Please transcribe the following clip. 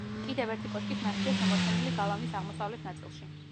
კიდევ ერთი კოშკის ნაშთია შემორჩენილი გალავნის აღმოსავლეთ ნაწილში.